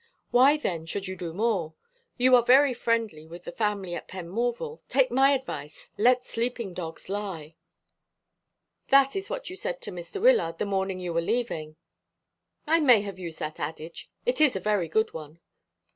Why, then, should you do more? You are very friendly with the family at Penmorval. Take my advice. 'Let sleeping dogs lie.'" "That is what you said to Mr. Wyllard the morning you were leaving." "I may have used that adage. It is a very good one."